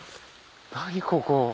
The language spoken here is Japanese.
何ここ？